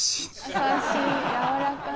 優しい柔らかい。